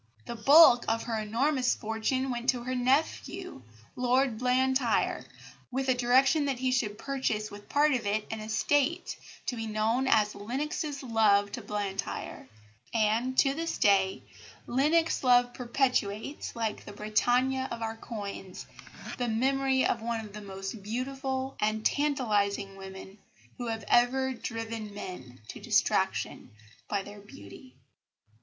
The bulk of her enormous fortune went to her nephew, Lord Blantyre, with a direction that he should purchase with part of it an estate, to be known as "Lennox's Love to Blantyre"; and to this day "Lennox Love" perpetuates, like the Britannia of our coins, the memory of one of the most beautiful and tantalising women who have ever driven men to distraction by their beauty.